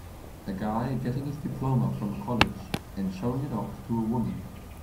A guy getting his diploma from a college and showing it off to a woman.